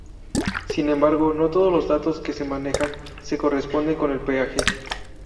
Sin embargo, no todos los datos que se manejan se corresponden con el peaje.